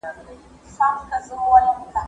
زه اوس ږغ اورم!؟